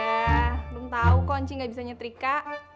belum tau kok cing gak bisa nyetrika